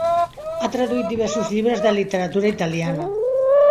Ha traduït diversos llibres de literatura italiana.